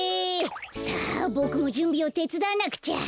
さあぼくもじゅんびをてつだわなくちゃ！